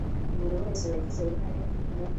umuntu wese wagize uruhare mu